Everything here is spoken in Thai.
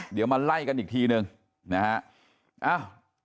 เอ่อเดี๋ยวมาไล่กันอีกทีหนึ่งนะฮะเอ้า